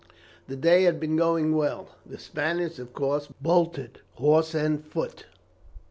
The day had been going well. The Spaniards of course bolted, horse and foot.